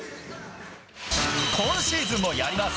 今シーズンもやります。